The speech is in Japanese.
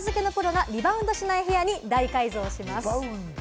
そんな悩みを片付けのプロがリバウンドしない部屋に大改造します。